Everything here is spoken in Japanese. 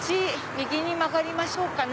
右に曲がりましょうかね。